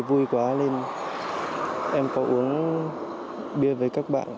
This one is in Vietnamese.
vui quá nên em có uống bia với các bạn